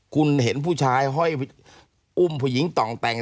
คุณเห็นผู้ชายอุ่มผู้หญิงต่อเต้น